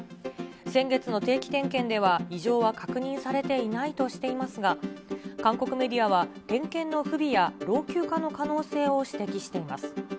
先月の定期点検では異常は確認されていないとしていますが、韓国メディアは、点検の不備や老朽化の可能性を指摘しています。